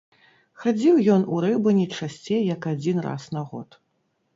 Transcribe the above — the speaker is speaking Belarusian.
Хадзіў ён у рыбу не часцей як адзін раз на год.